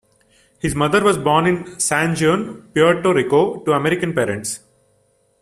His mother was born in San Juan, Puerto Rico, to American parents.